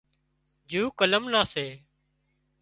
جُوڪلم نان سي